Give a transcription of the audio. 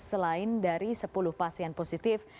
selain dari sepuluh pasien positif